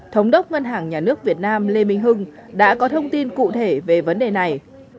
thống đốc ngân hàng nhà nước việt nam lê minh hưng đã có thông tin cụ thể về vấn đề này